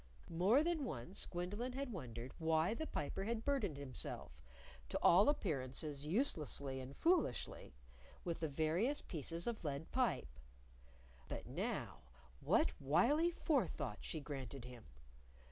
More than once Gwendolyn had wondered why the Piper had burdened himself to all appearances uselessly and foolishly with the various pieces of lead pipe. But now what wily forethought she granted him.